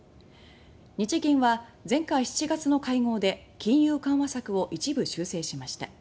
日銀は前回７月の会合で金融緩和策を一部修正しました。